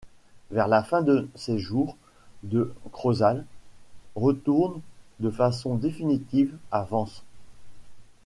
Vers la fin de ses jours de Crozals retourne de façon définitive à Vence.